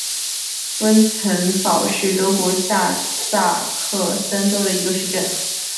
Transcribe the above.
温岑堡是德国下萨克森州的一个市镇。